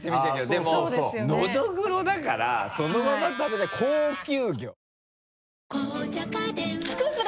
でものどぐろだからそのまま食べたい高級魚。